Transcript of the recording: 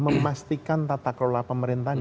memastikan tata kelola pemerintahan